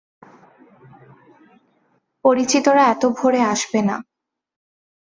পরিচিতরা এত ভোরে আসবে না।